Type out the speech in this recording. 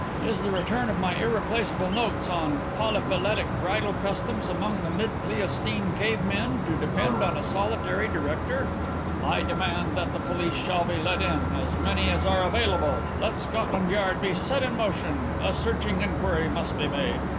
Is the return of my irreplaceable notes on 'Polyphyletic Bridal Customs among the mid Pleistocene Cave Men' to depend on a solitary director? I demand that the police shall be called in as many as are available. Let Scotland Yard be set in motion. A searching inquiry must be made.